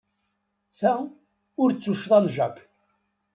Ta ur d tuccḍa n Jack.